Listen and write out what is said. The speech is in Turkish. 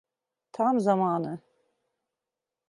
Tam zamanı.